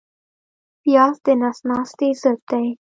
پیاز د نس ناستي ضد دی